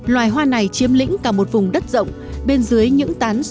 loài hoa này chiếm lĩnh cả một vùng đất rộng bên dưới những tán sồi rộng